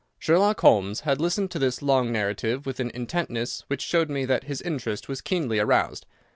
Sherlock Holmes had listened to this long narrative with an intentness which showed me that his interest was keenly aroused.